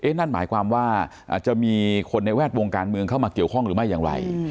นั่นหมายความว่าอาจจะมีคนในแวดวงการเมืองเข้ามาเกี่ยวข้องหรือไม่อย่างไร